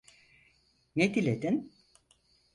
Ne diledin?